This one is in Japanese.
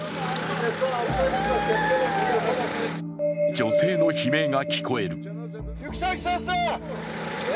女性の悲鳴が聞こえる。